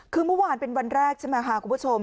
คือเมื่อวานเป็นวันแรกใช่ไหมคะคุณผู้ชม